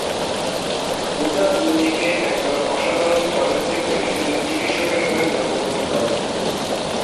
Butcher মিউনিখে একজন অসাধারণ ফরেনসিক মেডিসিনের চিকিৎসকের ঘরে জন্মগ্রহণ করেন।